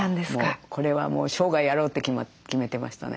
これはもう生涯やろうって決めてましたね。